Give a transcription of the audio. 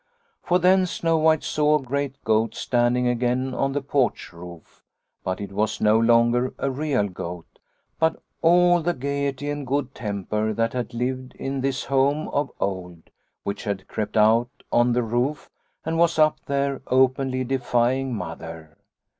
For then Snow White saw a great goat standing again on the porch roof, but it was no longer a real goat, but all the gaiety and good temper that had lived in this home of old, which had crept out on the roof and was up there openly defying Mother.